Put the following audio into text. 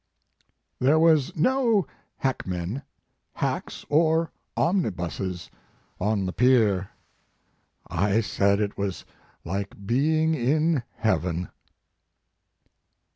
" There were no hackmen, hacks or omnibuses on the pier. I said it was like being in heaven."